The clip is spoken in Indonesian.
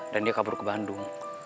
dan dia kabur ke bandung